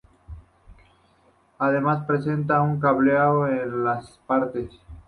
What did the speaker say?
Además presenta un cableado en las partes.